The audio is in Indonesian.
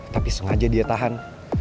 tapi sengaja dia tahan